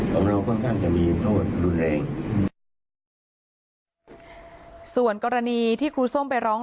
เราค่อนข้างจะมีโทษรุนแรงส่วนกรณีที่ครูส้มไปร้อง